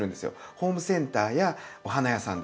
ホームセンターやお花屋さんで。